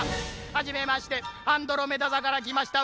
「はじめましてアンドロメダ座からきました